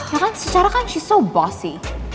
ya kan secara kan she's so bossy